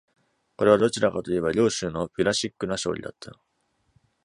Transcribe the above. これはどちらかと言えば両州のピュラシックな勝利だった。